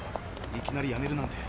いきなりやめるなんて。